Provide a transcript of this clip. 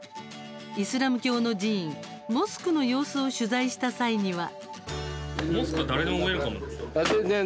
イスラム教の寺院モスクの様子を取材した際には。